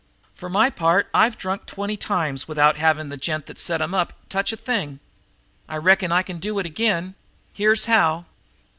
For my part I've drunk twenty times without having the gent that set 'em up touch a thing. I reckon I can do it again. Here's how!"